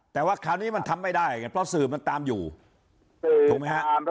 แต่ว่าคราวนี้มันทำไม่ได้ไงเพราะสื่อมันตามอยู่ถูกไหมฮะ